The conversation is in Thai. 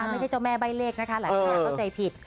ไม่ใช่เจ้าแม่ใบ้เลขนะคะหลายคนอยากเข้าใจผิด